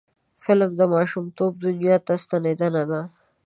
فلم د ماشومتوب دنیا ته ستنیدنه ده